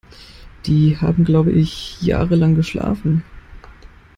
Die haben, glaub ich, jahrelang geschlafen.